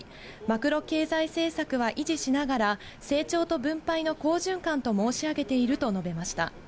マクロ経済政策は維持しながら、成長と分配の好循環と申し上げていると述べました。